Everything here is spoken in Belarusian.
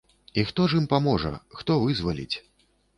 І хто ж ім паможа, хто вызваліць?